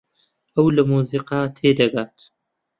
ئەو لە مۆسیقا تێدەگات.